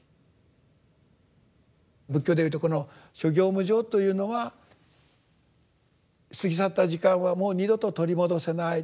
仏教で言うとこの「諸行無常」というのは過ぎ去った時間はもう二度と取り戻せない。